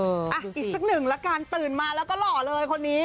อีกสักหนึ่งละกันตื่นมาแล้วก็หล่อเลยคนนี้